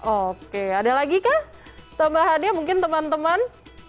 oke ada lagi kah tambahan nya mungkin teman teman